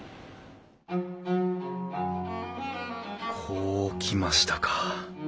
こうきましたかあ。